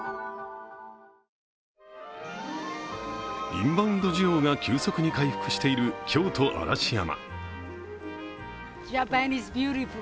インバウンド需要が急速に回復している京都・嵐山。